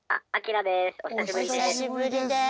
お久しぶりです。